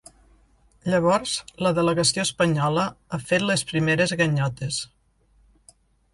Llavors la delegació espanyola ha fet les primeres ganyotes.